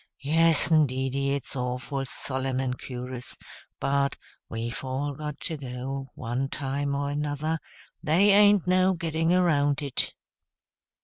Yes'ndeedy, it's awful solemn and cur'us; but we've all got to go, one time or another; they ain't no getting around it."